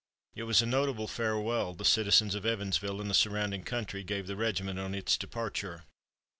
It was a notable farewell the citizens of Evansville and the surrounding country gave the regiment on its departure.